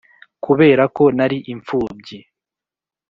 Kubera ko nari imfubyi